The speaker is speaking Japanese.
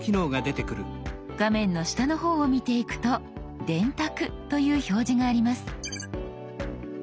画面の下の方を見ていくと「電卓」という表示があります。